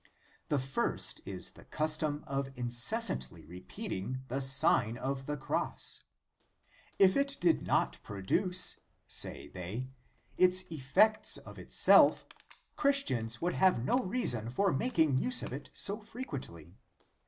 The first, is the custom of incessantly re peating the Sign of the Cross. " If it did not produce," say they, " its effects of itself, Christians would have no reason for making use of it so frequently.